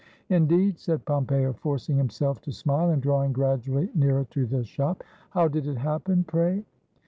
"Indeed!" said Pompeo, forcing himself to smile, and drawing gradually nearer to the shop; "how did it happen, pray?"